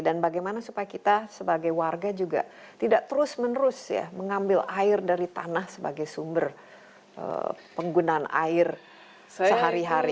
dan bagaimana supaya kita sebagai warga juga tidak terus menerus ya mengambil air dari tanah sebagai sumber penggunaan air sehari hari